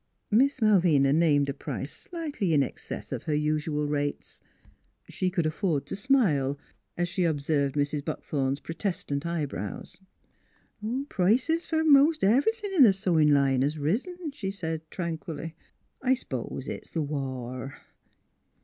" Miss Malvina named a price slightly in excess of her usual rates. She could afford to smile, as she observed Mrs. Buckthorn's protestant eye brows. " Prices f'r most ev'rythin' in th' sewin' line has riz," she stated tranquilly. " I s'pose it's th' war."